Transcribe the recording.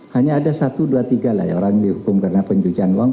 hanya ada satu dua tiga lah ya orang dihukum karena pencucian uang